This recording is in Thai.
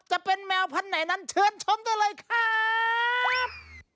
จะเป็นแมวพันธุ์ไหนนั้นเชิญชมได้เลยครับ